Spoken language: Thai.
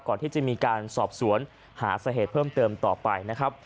ก่อนที่จะมีการสอบสวนหาสาเหตุเพิ่มเติมต่อไปนะครับ